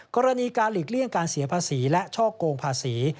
กรณีการหลีกเลี่ยงการเสียภาษีและช่อกงภาษี